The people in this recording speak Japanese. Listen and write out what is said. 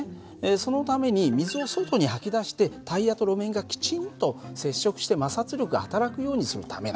そのために水を外に吐き出してタイヤと路面がきちんと接触して摩擦力がはたらくようにするためなんだよ。